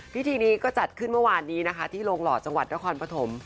พิธีนี้ก็จัดขึ้นเมื่อวานนี้นะคะที่โรงหล่อจังหวัดนครปฐม